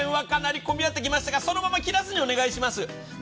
かなり混み合ってきましたがそのまま切らずにお願いします。